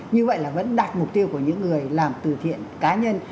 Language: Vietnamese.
như vậy là vẫn đạt mục tiêu của những người làm từ thiện cá nhân